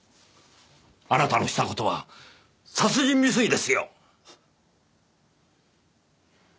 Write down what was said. あなたのした事は殺人未遂ですよ。